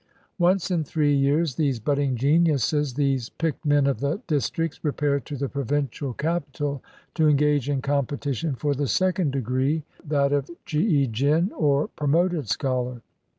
Once in three years these "Budding Geniuses," these picked men of the districts, repair to the provincial capital to engage in competition for the second degree — that of chii jin, or "Promoted Scholar."